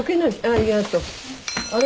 あれ？